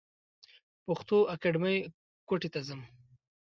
پښتو اکېډمۍ کوټي ته ځم.